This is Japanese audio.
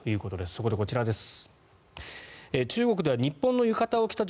そこでこちらです。